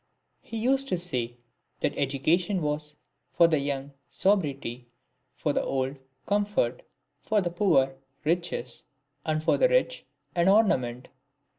He used to say, that education was, for the young sobriety, for the old comfort, for the poor riches, and for the rich an ornament."